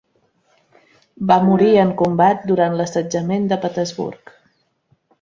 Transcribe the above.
Va morir en combat durant l'assetjament de Petersburg.